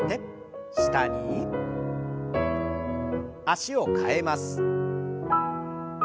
脚を替えます。